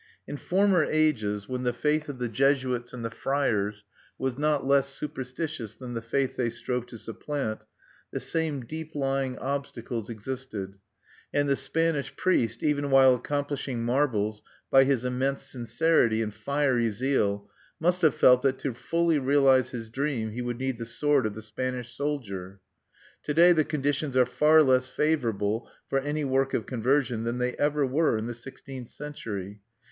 In former ages, when the faith of the Jesuits and the friars was not less superstitious than the faith they strove to supplant, the same deep lying obstacles existed; and the Spanish priest, even while accomplishing marvels by his immense sincerity and fiery zeal, must have felt that to fully realize his dream he would need the sword of the Spanish soldier. To day the conditions are far less favorable for any work of conversion than they ever were in the sixteenth century.